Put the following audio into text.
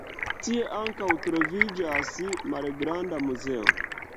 Tie ankaŭ troviĝas malgranda muzeo.